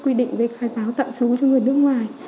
quy định về khai báo tạm trú cho người nước ngoài